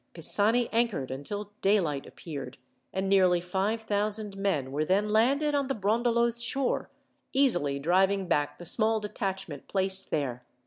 Pisani anchored until daylight appeared, and nearly five thousand men were then landed on the Brondolo's shore, easily driving back the small detachment placed there.